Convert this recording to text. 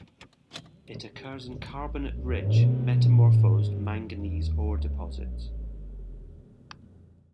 It occurs in carbonate-rich metamorphosed manganese ore deposits.